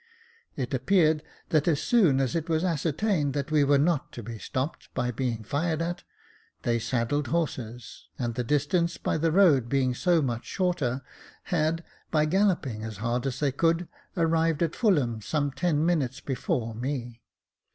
It appeared that as soon as it was ascertained that we were not to be stopped by being fired at, they saddled horses, and the distance by the road being so much shorter, had, by galloping as hard as they could, arrived at Fulham some ten minutes before me.